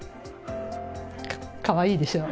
かわいいでしょ。